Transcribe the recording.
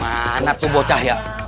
mana tuh bocah ya